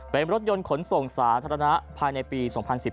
เป็นรถยนต์ขนส่งสาธารณะภายในปี๒๐๑๘